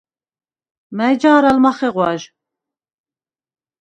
მა̈ჲ ჯა̄რ ალ მახეღვა̈ჟ?